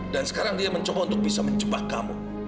dan sekarang dia mencoba untuk bisa menjebak kamu